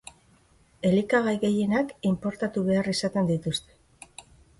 Elikagai gehienak inportatu behar izaten dituzte.